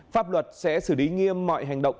pháp luật sẽ xử lý nghiêm mọi hành động